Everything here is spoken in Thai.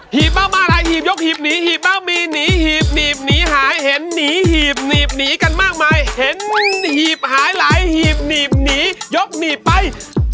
ีบบ้างอะไรหีบยกหีบหนีหีบบ้างมีหนีหีบหนีบหนีหายเห็นหนีหีบหนีบหนีกันมากมายเห็นหีบหายหลายหีบหนีบหนียกหนีบไป